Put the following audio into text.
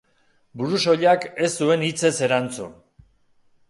Burusoilak ez zuen hitzez erantzun.